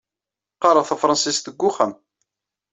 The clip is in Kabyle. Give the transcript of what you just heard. Qqareɣ tafṛensist deg uxxam.